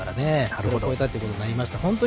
それを超えたということになりました。